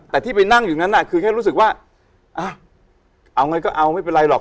แต่ที่ไปนั่งอยู่นั้นคือแค่รู้สึกว่าเอาไงก็เอาไม่เป็นไรหรอก